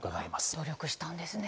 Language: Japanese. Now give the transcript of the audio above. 努力したんですね。